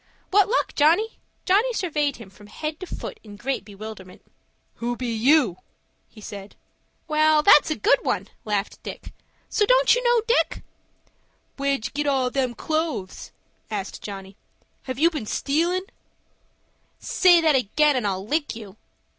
"What luck, Johnny?" repeated Dick. Johnny surveyed him from head to foot in great bewilderment. "Who be you?" he said. "Well, that's a good one," laughed Dick; "so you don't know Dick?" "Where'd you get all them clothes?" asked Johnny. "Have you been stealin'?" "Say that again, and I'll lick you.